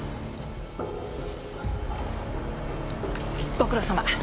ご苦労さま。